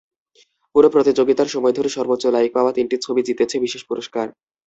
পুরো প্রতিযোগিতার সময় ধরে সর্বোচ্চ লাইক পাওয়া তিনটি ছবি জিতেছে বিশেষ পুরস্কার।